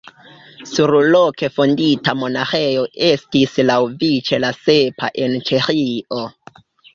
Surloke fondita monaĥejo estis laŭvice la sepa en Ĉeĥio.